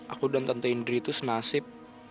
aku dan tante indri itu senasib